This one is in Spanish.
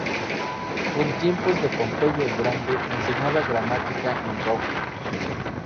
En tiempos de Pompeyo el Grande enseñaba gramática en Roma.